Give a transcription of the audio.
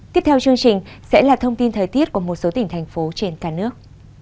tiếp theo chương trình sẽ là thông tin thời tiết của một số tỉnh thành phố trên cả nước